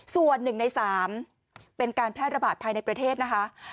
ส่วน๑ใน๓เป็นการแพร่ระบาดภายในประเทศนะคะ